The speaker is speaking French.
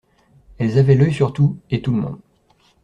Elles avaient l’œil sur tout et tout le monde.